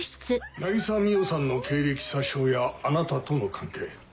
渚海音さんの経歴詐称やあなたとの関係。